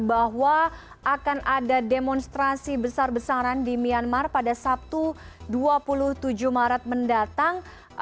bahwa akan ada demonstrasi besar besaran di myanmar pada sabtu dua puluh tujuh maret mendatang